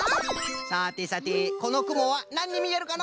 さてさてこのくもはなんにみえるかの？